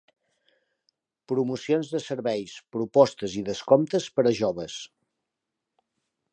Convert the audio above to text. Promocions de serveis, propostes i descomptes per a joves.